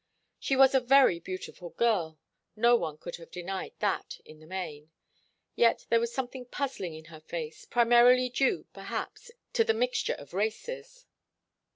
She was a very beautiful girl. No one could have denied that, in the main. Yet there was something puzzling in the face, primarily due, perhaps, to the mixture of races.